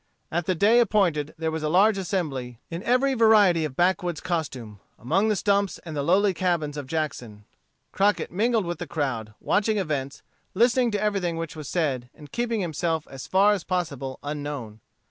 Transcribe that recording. At the day appointed there was a large assembly, in every variety of backwoods costume, among the stumps and the lowly cabins of Jackson. Crockett mingled with the crowd, watching events, listening to everything which was said, and keeping himself as far as possible unknown.